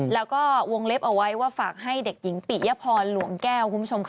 แล้วก็วงเล็บเอาไว้ว่าฝากให้เด็กหญิงปิยพรหลวงแก้วคุณผู้ชมค่ะ